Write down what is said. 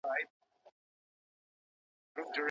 ولي هغه خلګ چي ډیر مهارت لري اکثره وخت مغروره کیږي؟